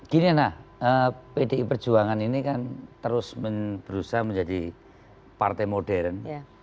gini nah pdi perjuangan ini kan terus berusaha menjadi partai modern